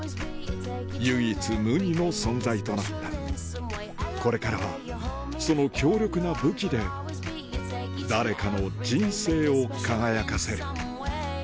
唯一無二の存在となったこれからはその強力な武器で誰かの人生を輝かせる